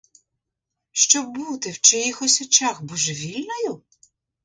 Щоб бути в чиїхось очах божевільною?